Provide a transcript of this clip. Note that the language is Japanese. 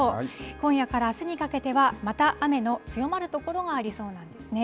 今夜からあすにかけては、また雨の強まる所がありそうなんですね。